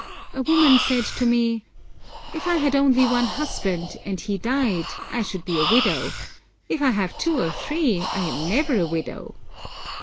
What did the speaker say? A woman said to me, 'If I had only one husband, and he died, I should be a widow; if I have two or three I am never a widow!'